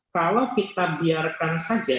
kalau kita biarkan saja